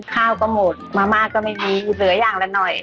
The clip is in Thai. ข้าวก็หมดมะม่าก็ไม่มีเหลืออย่างละหน่อย